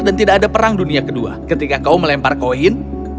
dan tidak ada perang dunia kedua ketika kau melempar koin